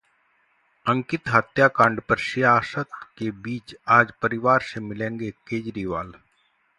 अंकित हत्याकांड पर सियासत के बीच आज परिवार से मिलेंगे केजरीवाल